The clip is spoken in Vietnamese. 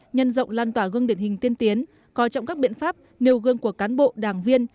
nhân rộng lan tỏa gương điển hình tiên tiến coi trọng các biện pháp nêu gương của cán bộ đảng viên